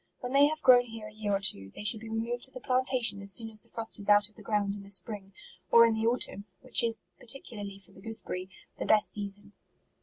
When they have grown here a year or two, they should be removed to the plantation as soon as the 34 MARCH, frost is out of the ground in the spring, or in the autumn, which is, particularly for the gooseberry, the best season.